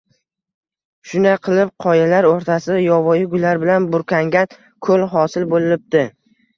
Shunday qilib, qoyalar o‘rtasida yovvoyi gullar bilan burkangan ko‘l hosil bo‘libdi